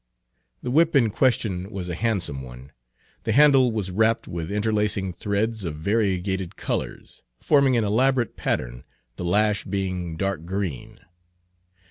The whip in question was a handsome one. The handle was wrapped with interlacing threads of variegated colors, forming an elaborate pattern, the lash being dark green.